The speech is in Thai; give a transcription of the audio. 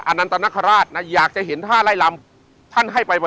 ท่านนัตรราชนะครับจึงเป็นที่มาว่าเมื่อภษีวะมีแสดงท่านนัตรราชจะปราบภัยและมานในท่านนัตรราชนะครับ